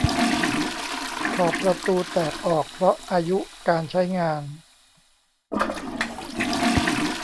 ขอบประตูแตกออกเพราะอายุการใช้งาน